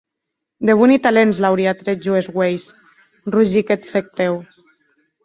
De boni talents l’auria trèt jo es uelhs, rugic eth cèc Pew.